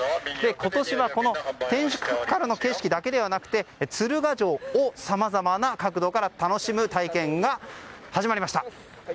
今年は、天守閣からの景色だけではなくて鶴ヶ城をさまざまな角度から楽しむ体験が始まりました。